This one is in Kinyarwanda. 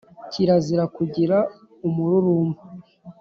kirazira kugira umururumba